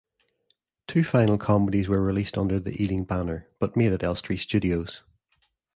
Two final comedies were released under the Ealing banner, but made at Elstree Studios.